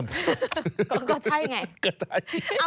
คุณก็บอกว่าใช่มั๊ย